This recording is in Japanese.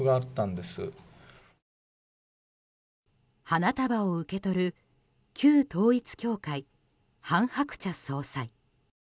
花束を受け取る旧統一教会、韓鶴子総裁。